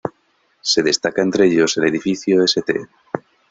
Se destaca entre ellos el edificio St.